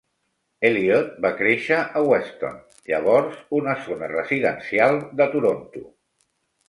Elliot va créixer a Weston, llavors una zona residencial de Toronto.